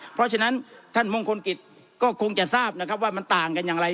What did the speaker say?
เพราะฉะนั้นท่านมงคลกิจก็คงจะทราบนะครับว่ามันต่างกันอย่างไร